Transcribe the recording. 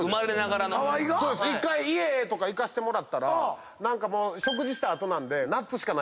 １回家とか行かせてもらったら食事した後なんで。